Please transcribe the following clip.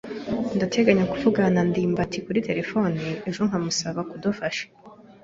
Ndateganya kuvugana na ndimbati kuri terefone ejo nkamusaba kudufasha.